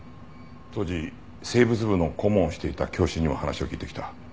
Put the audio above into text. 当時生物部の顧問をしていた教師にも話を聞いてきた。